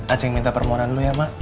acing minta permohonan dulu ya mak